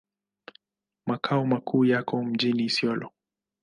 Makao makuu yako mjini Isiolo.